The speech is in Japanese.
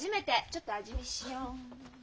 ちょっと味見しよう。